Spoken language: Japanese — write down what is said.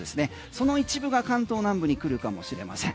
その一部が関東南部に来るかもしれません。